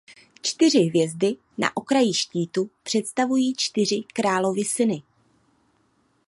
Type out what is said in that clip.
Čtyři hvězdy na okraji štítu představují čtyři královy syny.